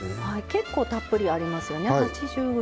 結構たっぷりありますよね、８０ｇ。